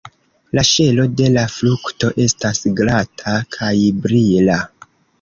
La ŝelo de la frukto estas glata kaj brila.